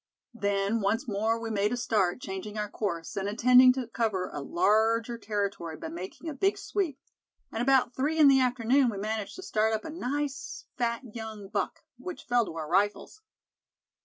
"Then once more we made a start, changing our course, and intending to cover a larger territory, by making a big sweep. And about three in the afternoon we managed to start up a nice fat young buck, which fell to our rifles."